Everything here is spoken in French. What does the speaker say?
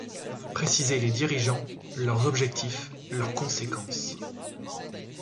Précisez les dirigeants, leurs objectifs, leurs conséquences.